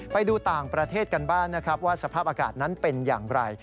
ไปดูต่างประเทศกันบ้างนะครับว่าสภาพอากาศนั้นเป็นอย่างไร